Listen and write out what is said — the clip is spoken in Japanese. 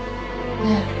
ねえ。